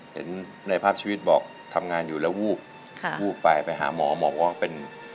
เห็นในภาพชีวิตบอกทำงานอยู่แล้ววูบวูบไปไปหาหมอหมอบอกว่าเป็น